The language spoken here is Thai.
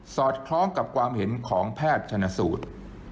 อดคล้องกับความเห็นของแพทย์ชนสูตร